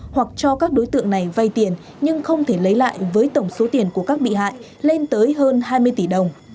hoặc cho các đối tượng này vay tiền nhưng không thể lấy lại với tổng số tiền của các bị hại lên tới hơn hai mươi tỷ đồng